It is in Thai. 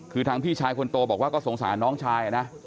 คือทางพี่ชายคนโตบอกว่าก็สงสารน้องชายนะ